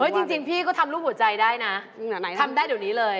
จริงพี่ก็ทำรูปหัวใจได้นะทำได้เดี๋ยวนี้เลย